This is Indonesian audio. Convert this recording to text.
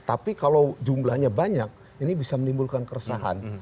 tapi kalau jumlahnya banyak ini bisa menimbulkan keresahan